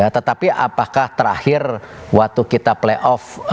tetapi apakah terakhir waktu kita play off